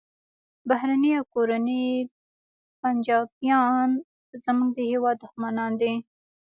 بهرني او کورني پنجابیان زموږ د هیواد دښمنان دي